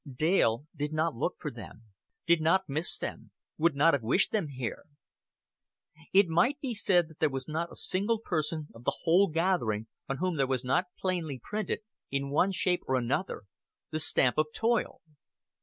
Dale did not look for them, did not miss them, would not have wished them here. It might be said that there was not a single person of the whole gathering on whom there was not plainly printed, in one shape or another, the stamp of toil.